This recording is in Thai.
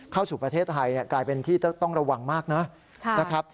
เข้าสู่ประเทศไทยกลายเป็นที่ต้องระวังมากนะครับ